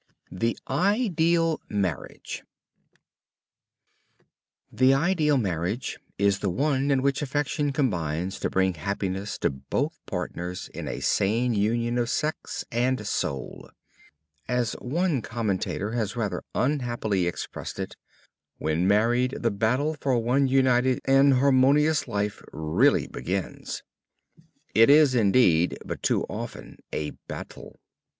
THE IDEAL MARRIAGE The ideal marriage is the one in which affection combines to bring happiness to both partners in a sane union of sex and soul. As one commentator has rather unhappily expressed it: "When married the battle for one united and harmonious life really begins!" It is, indeed, but too often a battle!